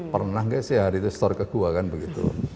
pernah nggak sih hari itu store ke gua kan begitu